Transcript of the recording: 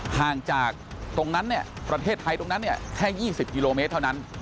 ห่างจากตรงนั้นเนี่ยประเทศไทยตรงนั้นเนี่ยแค่๒๐กิโลเมตรเท่านั้น